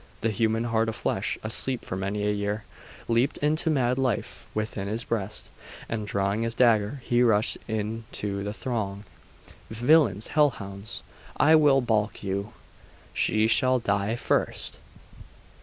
The human heart of flesh, asleep for many a year, leaped into mad life within his breast, and drawing his dagger, he rushed into the throng 'Villains! Hellhounds! I will balk you! She shall die first!